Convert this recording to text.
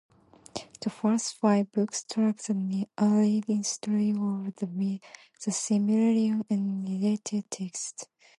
The first five books track the early history of "The Silmarillion" and related texts.